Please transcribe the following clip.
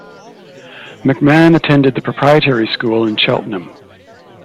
MacMahon attended the Proprietary School in Cheltenham.